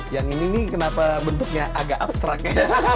yang ini kenapa bentuknya agak abstrak ya